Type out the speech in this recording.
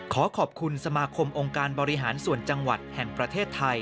ขอขอบคุณสมาคมองค์การบริหารส่วนจังหวัดแห่งประเทศไทย